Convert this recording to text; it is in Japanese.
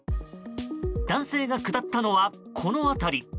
男性が下ったのは、この辺り。